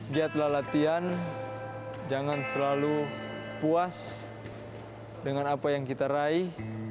giatlah latihan jangan selalu puas dengan apa yang kita raih